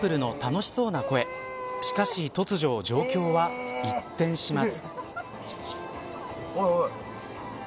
しかし突如、状況は一転します。